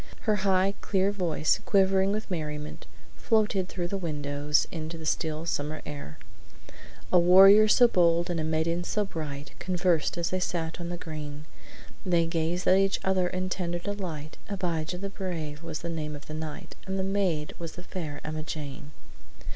Her high, clear voice, quivering with merriment, floated through the windows into the still summer air: "'A warrior so bold and a maiden so bright Conversed as they sat on the green. They gazed at each other in tender delight. Abijah the Brave was the name of the knight, And the maid was the Fair Emmajane.'"